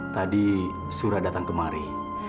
tadi surah datang kemari